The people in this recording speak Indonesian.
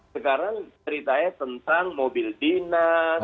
sekarang ceritanya tentang mobil dinas